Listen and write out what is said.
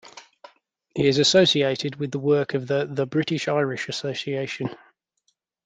He is associated with the work of the "The British-Irish Association".